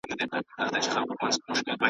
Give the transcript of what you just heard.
یو خالق د دې جهان پر یو قرار دی .